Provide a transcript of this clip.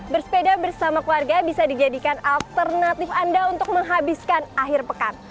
bersepeda bersama keluarga bisa dijadikan alternatif anda untuk menghabiskan akhir pekan